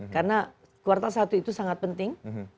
karena kuartal satu itu sangat penting